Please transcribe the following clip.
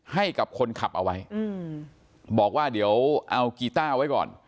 ให้กับคนขับเอาไว้อืมบอกว่าเดี๋ยวเอากีต้าไว้ก่อน